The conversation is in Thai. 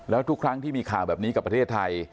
แล้วทุกครั้งที่มีข่าวแบบนี้กับประเทศไทย